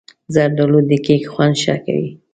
زردالو د کیک خوند ښه کوي.